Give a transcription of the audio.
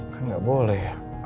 kan gak boleh